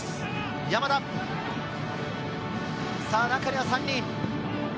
中には３人。